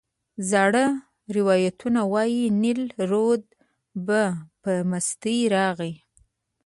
زاړه روایتونه وایي نیل رود به په مستۍ راغی.